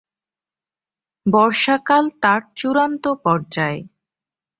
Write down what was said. বর্ষাকাল তার চূড়ান্ত পর্যায়ে।